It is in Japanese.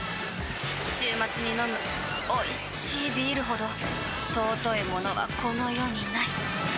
週末に飲むおいしいビールほど尊いものはこの世にない！